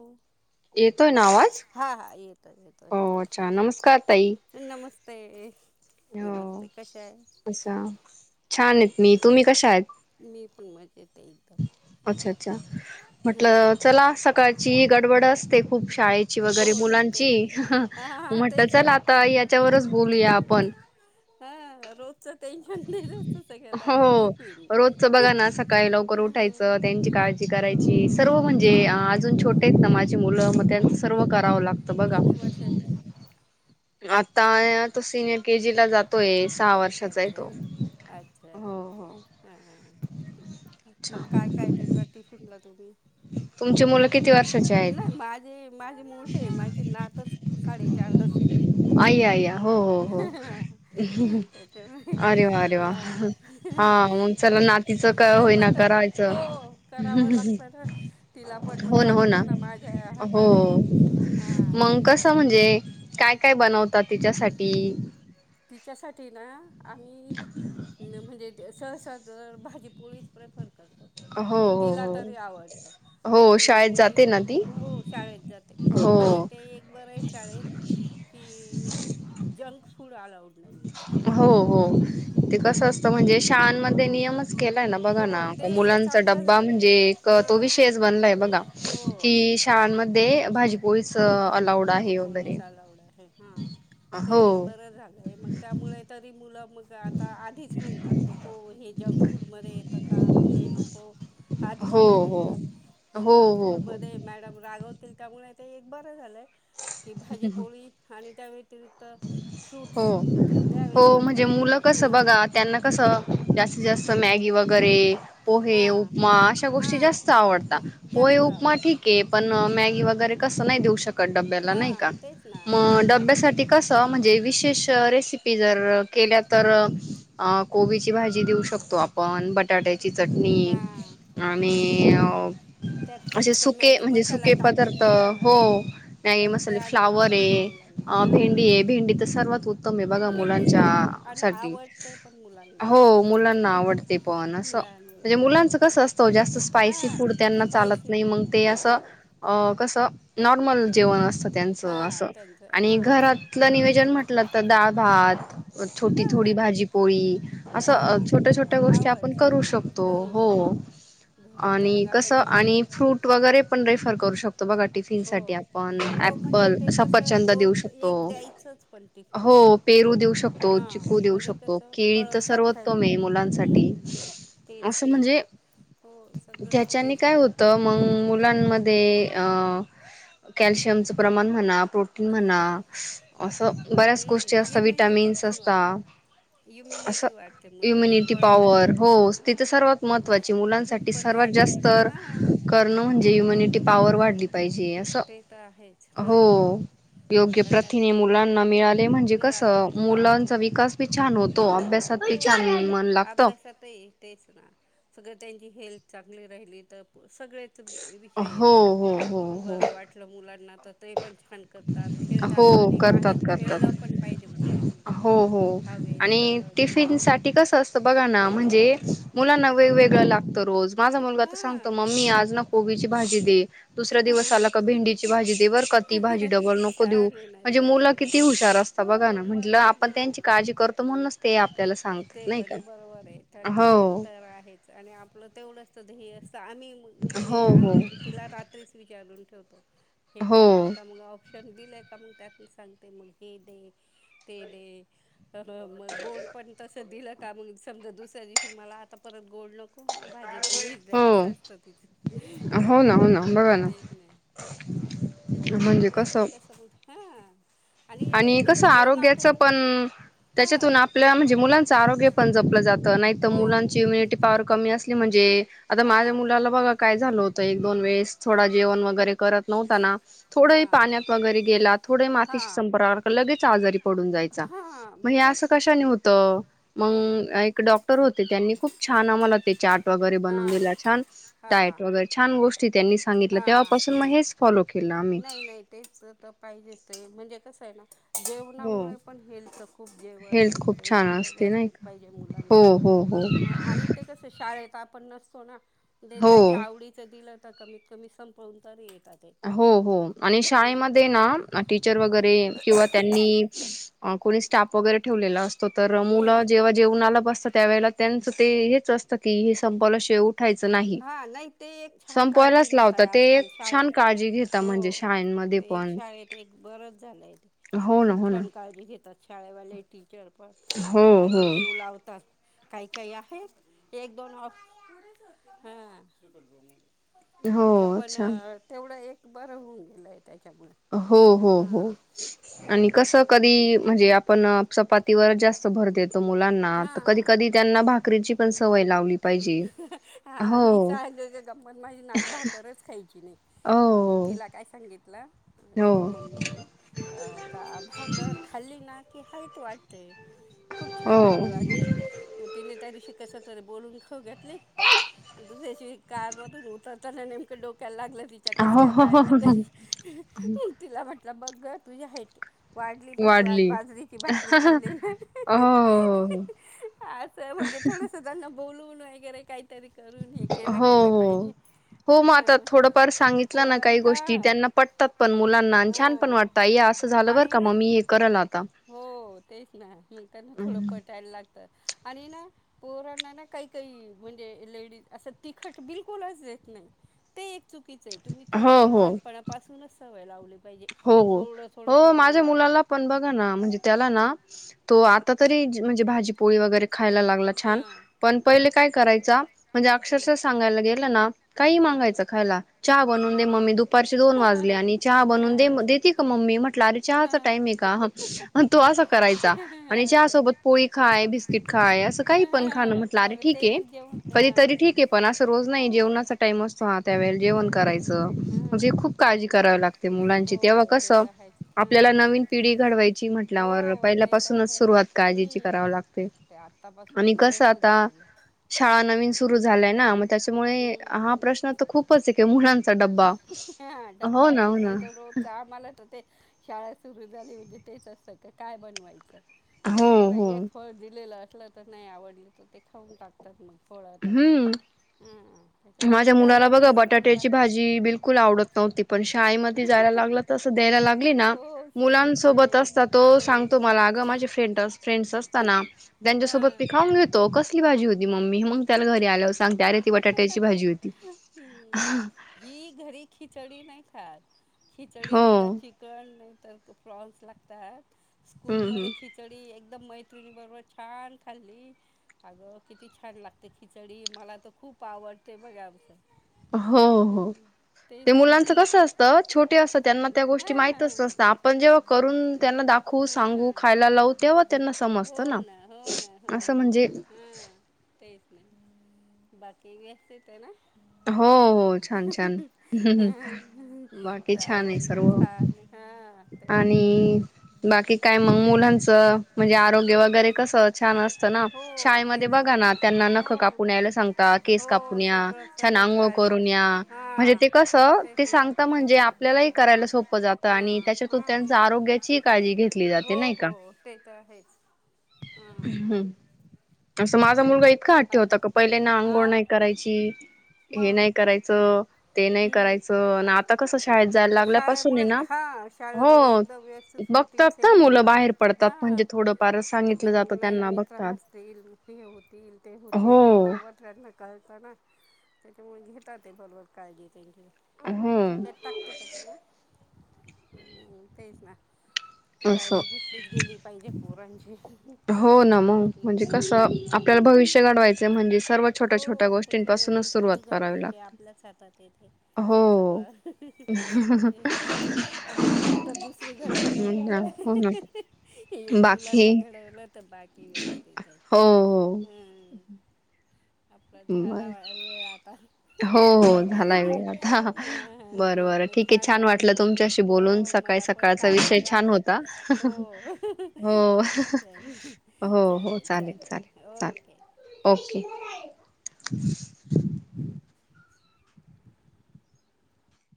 हो येतोय ना आवाज. येतोय येतोय हो अच्छा नमस्कार ताई बोला नमस्ते हो नमस्ते कशा आहे? असा छान आहेत मी तुम्ही कशा आहेत? मी पण मजेत आहे एकदम अच्छा -अच्छा हा म्हटल हा चला सकाळची गडबड असते. खूप शाळेत ची वगैरे हो नाही तेच नाही मुलांची- हा हा म्हटलं तेच चल ना आता याच्यावरच बोलूया आपण हा रोजचं टेन्शन नाही जास्त सगळ्यात हो आधी टिफिन रोजच बघा ना सकाळी लवकर हा उठायचं त्यांची काळजी हा करायची हो सर्व म्हणजे ते अजून छोटे आहेत ना माझे. मुलं मग त्यांच सर्व करावं लागतं बघ. ची ते आता तो सिनियर केजी ला जातोय. सहा वर्षाचा आहे अच्छा तो अच्छा अच्छा हो हो अ मग काय काय दे देता टिफिनला. तुम्ही तुमच्या मुला- किती वर्षाचे आहेत. माझी मोठे माझी नातच साडेचार वर्षाची आई आय्या हो हो हो आहे त्याच्यामुळे अरे वा अरे वा हा मग चला काय नाही प नातीचं काय नाही होईना पण तरी करायचं हो करावं लागतं ना तिला पण मग हो ना हो लागत- ना माझ्या हो हाताने हां मग कस म्हणजे. काय काय बनवतात तिच्यासाठी. तिच्यासाठी ना? आम्ही म्हणजे स सहसा तर भाजीपोळीच प्रेफर करो हो हो म्हणजे तिला तरी आवडत हो हो आणि शाळेत मग जाते ना ती हो शाळेत जाते हो आणि ते एक बर आहे शाळेत की [unintelligible] जंकफूड पुड अलाऊड नाही आहे. हो हो. ते कसं हां असतं म्हणजे शाळांमध्ये. ते नियम केलाय ना बघा हो ना ते एक मुलांचा चांगलं डबा झालंय म्हणजे पण एक तो हां विषयच बनलाय बघा हो कि शाळांमध्ये भाजी पस त अलाउड आहे वगैरे हा ते हो एक बरं झालंय मग त्यामुळे तरी मुल मग आता आधीच म्हणतात नको हे जंक फूडमध्येध्ये येतं का हे नको आधीच हो म्हणते हो ती हो हे जंक हो हो फूडमध्ये मॅडम रागवता त्याच्यामुळे ते बंद झालंय. की भाजी पोळी आणि त्या व्यतिरिक्त हो फ्रूट्स द्यावेच हो म्हणजे लागतात मुलं कस हां बघा त्यांना कसं जास्तीत जास्त मॅगी वगैरे पोहे हां उपमा अशा गोष्टी हां जास्त आवडतात पोहे जास्त उपमा आवडतं ठीके पण मॅगी वगैरे कसं नाही देऊ का डब्याला हा नाही का तेच ना म आणि डब्यासाठी ते म्हणजे विशेष रेसिपी जर केल्या तर कोबीची भाजी देऊ शकतो आपण ब बटाट्याची चटणी हा आणि ह [unintelligible] त्यात थोडस मॅगी मसाला टाकून पदार्थ दिला ना हो नाही तर ते मसाले अजून फ्लावर आवडत आहे मुलांना. अ भेंडी आहे हा भेंडी तर सर्वात उत्तम आहे भेंडी आणि मुलांच्यासाठी आवडते पण मुलांना हो मुलांना लहान आवडते पण अस लहान मुलांना मुलांचं आवडते कसं असतं हो जास्त स्पायसी हा फूड चालत स्पायसी नाही मग ते नकोस हा असं कसं नॉर्मल जेवण अस अस त्यांचं हा असं त्यांचं आणि हा घरातलं नियोजन म्हटलं.. तर डाळ भात.. छोटी थोडी हा भाजीपोळी हा असं छोट्या छोट्या गोष्टी आपण आवडतं करू त्यांना शकतो करू हो शकतो घरी तर आणि मग कस आपण थोडंसं आणि फ्रूट वगैरे पण रेफर करू शकतो. बघा टिफिन हो साठी आपण हो म्हणजे ॲप्पल... ते कसं एखांदा देऊ दोन शकतो एक द्यायचंच पण हो टिफिनमध्ये पेरू देऊ शकतो हां चिकू देऊ म्हणजे शकतो कसं केळी फळं तर खाता येईल सर्वोत्तम आहे. मुलांसाठी हम्म तेच असं ना म्हणजे हो काय होतं मग सगळे ज्याच्याने म्हणजे मग काय सगळे होतं. मग मुलांना मध्ये कॅल्शियमचे प्रमाण म्हणा... म्हणा असं बऱ्याच गोष्टी हम्म असतात इम्युनिटी विटमिन्स पण असत वाढ असं इम्युनिटी वाढते मुलांची युम्यनिटी फळं खाल्ली पॉवर तर हो ति तर हां सर्वात महत्वाची भूक मुलांसाठी पण सर्वात वाढते जास्त हां करणं म्हणजे युम्युनिटी... पावर वाढली.. पाहिजे असं ते तर आहेच हो... हां मग योग्य त्यांना प्रथिने मुलांना मिळाले म्हणजे कसं मिळालंच पाहिजे मुलांचा विकास बी छान होतो अभ्यासात हो पी छान मन लागत. अभ्यासातही तेच ना सगळं त्यांची हेल्थ चांगली राहिली तर सगळेच.. हो हो हो... बर वाटल मुलांना.... तर ते.... पण छान करतात हो खेळतात आणि करतात बाहेर करतात खेळलं पण पाहिजे मुलांनी हो हो हवेत आणि ह जेवढं टिफिन सा कसं असत बघा ना म्हणजे... मुलांना वेगवेगळं लागतं रोज माझा मुलगा आता सांगतो हां मम्मी आज ना कोबीची भाजी दे... दुसऱ्या दिवस आला का भंडीची भाजी दे बर का ती भाजी... डबल नको देऊ छान आहे ना म्हणजे छान मुलं आहे ना किती हुशार असतात बघा हो ना मग म्हटलं आपण मग त्यांची काळजी करतो म्हणून ते आपल्याला सांगतात ते नाही पण का बरोबर आहे तर हो.. दुध हे अस... आम्ही म्हणजे हो हो आम्ही तिला.... काढून ठेवतो... हे हो खाणार का म ऑपश... दिलीय आहे का मग त्यात सांगते मग हे दे ते दे... मग गोड पण तस दिल.. का मग समजा दुसऱ्या दिवशी मला आता परत... गोड नको हा भाजी पोळीच आहे हो असं असतं तिच हो ना ह... हो ना बघा ना तेच नाही त्याच्यामुळे म्हणजे मुलांच कसं कस मु.. आणि कस आरोग्याच जेवणातूनच पण हां त्याच्यातून आपल्या म्हणजे मुलांचं आरोग्य पण जपलं जातं नाही. तर हो मुलांची इम्युनिटी पवार कमी असली म्हणजे.. आता माझ्या हां मुलाला बघा काय झालं होत. तर एक दोन वेळेस... थोडा हा जेवण वगैरे करत नव्हता ना, थोडं ही हा पाण्यात वगैरे गेला थोडं मा हा कि [unintelligible] लगे च आजारी पडून जायचा, हा म मग हे असं तेच कशानी होत होतं, मग एक डॉक्टर होते त्यांनी खूप छान आम्हाला ते चार ट वगैरे हा बनवून दिला छान् हा डाएट वगैरे छान गोष् त्यांनी सांगितलं हा तेव्हापासून मग हेच फॉलो केलं आम्ही नाही नाही तेच तर पाहिजेच असतंय, म्हणजे. कसंय ना. हो जेवणामुळे पण हेल्थ खूप जेवण हेल्थ खूप वगैरे छान सगळं असते नाही व्यवस्थित का पाहिजे हो मुलांचं हो हो ह आणि ते कसं शाळेत् पण नसतो ना? दे त्यांच्या हो आवडीचं दिलं. त कमीत कमी संपवून तर ये हो हो. आणि शाळेमध्ये ना टीचर वग रे किंवा त्यांनी अ कोणी स्टाप वगैरे ठेवलेला अस तर मूलं हम्म जेव्हा जेवणाला बस त्यावेळेला त्यांचं ते हेच असतं की हे संपवल्याशिवाय उ हा नाही ते एक छान काळजी संपवायलाच घेताय लावतात ते एक आजकाल शाळेत. छान काळजी घेता हो म्हणजे शाळेंमध्ये ते एक पण, शाळेत एक बरंच झालं आहे ते हो ना खूप हो ना. छान काळजी घेतात शाळेवाले टी चरपट, हो म्हणजे हो अगदी जीव लावतात. काही काही आहे एक दोन ऑ हा अ हो पण अच्छा तेवढं एक. बरं होऊन गेलंय. हो हो हो आणि कस कधी म्हणजे अ पण चपातीवर जास्त भर देत. मुलांना हां कधी-कधी त्यांना भाकरीची. पण सवय. लावली पाहिजे हा हो मी सज गंमत माझी नात भाकरच खायची नाही हो मग तिला काय सांगितलं. हो तिच्या हो मम्मीने अ का भाकर खाल्ली ना. की हात वाटते. खूप छान हईट हो वाटतंय मग तिने त्या दिशी कस तर बोलून. हो घेतली तुझ्या दिसि कार मधून उतर त्याना नेमकं डोक्यायला लागलं. [inaudible] हो हो बघ गं तुझी हाइट वाढली बघ तू आज वाढली बाजरीची भाकरी खाल्लेलं हो हो असं म्हणजे थोडसं बोलून वगैरे करून हे केलं हो गेलं हो पाहिजे. हो मग आता हा थोडंफार सांगितलं ना पोरण काही गोष्टी हा त्यांना पटतात पण मुलांना आणि छान पण हो वाटत आई असं झालं बर आणि का ना मम्मी हे करा ना. हो तेच ना मग त्यांना थोडं पटायला आणि ना पोरांना ना काही काही म्हणजे लेडीज असं तिखट बिलकुलच नाही ते चुकीचं आहे तुम्ही हो थोडसं हो लहपणापून सवयी लावली. पाहिजे. हो थोडं थोडं हो प्रमाण माझ्या वाढवत मुलाला पण बघा ना म्हणजे त्याला ना तो आता तरी म्हणजे भाजीपोळी वगैरे खायला लागला छान हां पण पहिले करायचा. म्हणजे अक्षरशः सांगायला गेलं ना काही हां मागायचं खायला चहा बनवून दे मम्मी दुपारचे दोन वाजले आणि चहा हां बनवून देती का मम्मी म्हटले हां चहा हां टाईम आहे का तो असं करायचा आणि चहा काय सोबत पोळी खाय बिस्किट खाय अस काही पण खान हा म्हटले अरे मग ठीक ते आहे मग जेवण कधीतरी हा ठीक आहे पण असं रोज हा नाही जेवणाचा टाईम असतो हा त्या वेळेला जेवण वगैरे करायचं म्हणजे हां खूप काळजी ते करावी लागते मुलां तेव्हा हो ते कसं तर आहेच हां आपल्याला त्यांना नवीन पिढी घडवायची हो म्हटल्यावर पहिल्या ते तर पासूनच आहेच सुरुवात काळजीची हम्म करावी लागते ते आणि आत्तापासूनच कसं व्यस्तच आता घडलं शाळा न. सुरु झालंय ना त्यांच्यामुळे हम्म हा प्रश्न तर खूपच एक मुलांचा डब्बा हा हो डब्बा ना हे हो ना [unintelligible] सुरू झाली म्हणजे तेच असतं का काय बनवायचं. ते हो बरं हो एक फळ दिलेला तर नाही आवडली तर ते खाऊन टाकतात. थोडा तरी हम्म हां त्याच्यामुळे माझ्या तिथं मुलाला बघ यांच्या स्कूलला बटाट्याची भाजी बिलकुल आवडत नव्हती पण शाळेत मग जायला लागले तसं द्यायला लागली ना, हो सेम मुलांसोबत सेम असं तो सेम सांगतो मला सेम अगं माझे फ्रेंडच फ्रेंड त्यांच्या हा सोबत पिकावून घेतो पाहिजी होती मम्मी. चल घरी आज हम्म ही घरी खिचडी ह्याच. खिचडी तिला हो. चिकळण नाही. तर अ प्रॉ-प्रॉन्स लागतात. हम्म स्कूलमध्ये हम्म. खिचडी एक. मैत्रिणी बरोबर छान खाल्ली. अगं किती छान लागते खिचडी मला तर खूप आवडते बघा आमचं. हो-हो हं तेच ते तर मुलांच कस असतं छोटे असत, त्यांना त्या गोष्टी हां माहितच नसत आपण जेव्हा करून तेच त्यांना दाखवू सांगू हां खायला लावू तेव्हा त्यांना हो समजत ना हो ना हो असं हो म्हणजे. हां तेच ना बाकी व्यस्त येतंय ना. हो हो छान! छान! बाकी छान आहे चालेल सर्व छान हा तेच ना आणि बाकी काय मग मुलांच म्हणजे आरोग्य हा वगैरे कस छान असतं ना. हो शाळेमध्ये तेच तर बघा ना तेच त्यांना हो नख कापून यायला सांगता. केस हो कापून या. सगळं छान सगळंच अघोळ काळजी घे करून या हा म्हणजे ते कसं तेच ते ना सांगता म्हणजे आपल्यालाही करायला सोप जात हां आणि त्याच्यातुन हां त्यांच्या आरोग्याचीही काळजी घेतली जाते हो नाही का. हो ते तर आहेच हां हम्. असं माझा मुलगा ही इतका हट्टी आलं होता की, का पहिले ना आ आंघोळ नाही करायची. हे मग नाही करायचं, ते नाही हम्म करायचं, आणि आता कसं. शाळेत जायला ते लागल्यापासून शाळेमुळे आहे ना हा शाळेमुळे हो एकदम व्यस्थित रुटीन बघतात ना सेट मुलं होऊन जात बाहेर ते पडतात हा म्हणजे थोडंफार मग सांगितलं ते मग जातं नाही त्यांना मित्र बघतात. हसतील हे होतील ते होतील ते हो. बरोबर त्यांना कळत ना. त्याच्यामुळे घेतात ते बरोबर काळजी त्यांची. हम. हम् तेच ना. असं. काळजी घेतलीच गेली पाहिजे पोरांची हो ना मग तेच ना म्हणजे हां कसं आपल्याला भविष्य घडवायचं म्हणजे सर्व हो छोट्या-छोट्या पण ती गोष्टींपासूनच नवीन सुरुवात पिढी करावी जगवायची लागते. आपल्याच हो. आमी तर आता दुसरी घडवतोय, हो ना एक बाकी मुलांना घडवलं तर बाकी व्यवस्थित आहे हो हो. हम. आपला झाला बर अ वेळ आता. हो हो झालाय वेळ आता. ते बरं बरं ठीक आहे छान वाटलं बोलून तुमच्याशी हो बोलून सकाळी मला पण सकाळचा काही नाही विषय छान वाटलं तर होता. हो हो चा हो हो चालेल चालेल चालेल. ओके. ओके [inaudible]